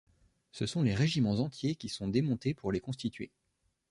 Ce sont les régiments entiers qui sont démontés pour les constituer.